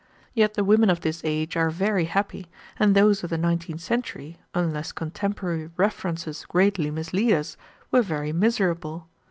Yet the women of this age are very happy, and those of the nineteenth century, unless contemporary references greatly mislead us, were very miserable.